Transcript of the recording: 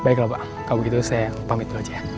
baiklah pak kalau begitu saya pamit dulu aja ya